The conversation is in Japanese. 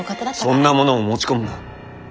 そんなものを持ち込むな。